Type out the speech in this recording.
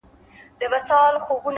پوهه د شکونو ورېځې لرې کوي،